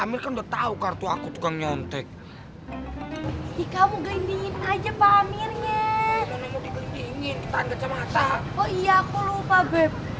iya aku lupa beb